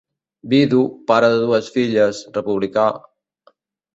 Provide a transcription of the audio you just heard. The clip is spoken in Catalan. Vidu, pare de dues filles, republicà...